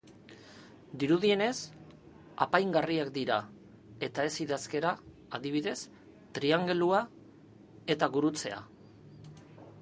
Dirudienez, apaingarriak dira eta ez idazkera, adibidez, triangelua eta gurutzea.